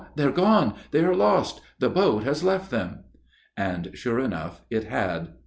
they are gone! they are lost! the boat has left them!" And sure enough, it had.